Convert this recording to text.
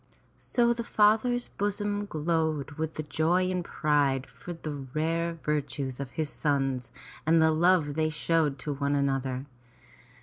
So the father's bosom glowed with joy and pride for the rare virtues of his sons and the love they showed to one another.